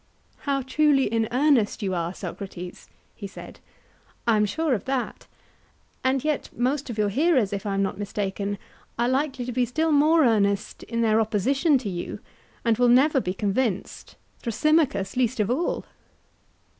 How truly in earnest you are, Socrates! he said; I am sure of that; and yet most of your hearers, if I am not mistaken, are likely to be still more earnest in their opposition to you, and will never be convinced; Thrasymachus least of all.